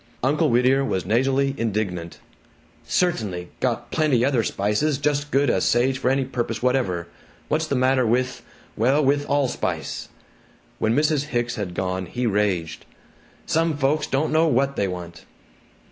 Uncle Whittier was nasally indignant "CERTAINLY! Got PLENTY other spices jus' good as sage for any purp'se whatever! What's the matter with well, with allspice?" When Mrs. Hicks had gone, he raged, "Some folks don't know what they want!"